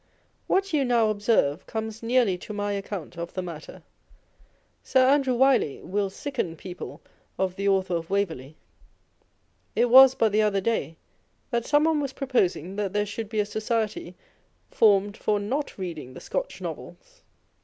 What you now observe comes nearly to my account of the matter. Sir Andrew Wylie l will sicken people of the Author of Waverley. It was but the other day that someone was proposing that there should be a Society formed for not reading the Scotch novels.